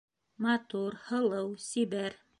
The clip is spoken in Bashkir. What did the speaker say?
Матур, һылыу, сибәр